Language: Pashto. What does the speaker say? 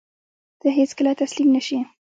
ته هېڅکله تسلیم نه شې.